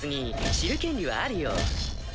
知る権利はあるよ。